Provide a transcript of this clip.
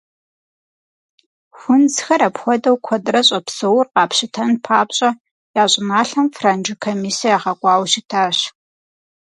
Хунзхэр апхуэдэу куэдрэ щӏэпсэур къапщытэн папщӏэ, я щӏыналъэм франджы комиссэ ягъэкӏуауэ щытащ.